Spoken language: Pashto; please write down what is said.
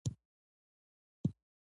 کره کتنه خپله پاراټيکسټ دئ.